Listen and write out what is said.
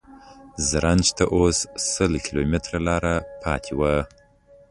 زرنج ته اوس سل کیلومتره لاره پاتې وه.